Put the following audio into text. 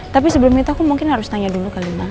tapi sebelum itu aku mungkin harus tanya dulu kali ya